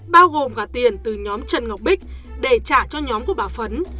bao gồm cả tiền từ nhóm trần ngọc bích để trả cho nhóm của bà phấn